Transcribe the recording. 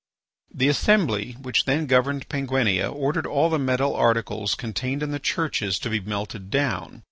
The assembly which then governed Penguinia ordered all the metal articles contained in the churches to be melted down.